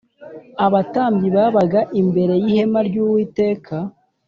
abatambyi babaga imbere y ihema ry Uwiteka